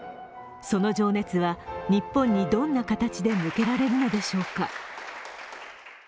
その情熱は、日本にどんな形で向けられるのでしょうか。